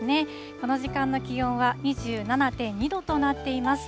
この時間の気温は２７．２度となっています。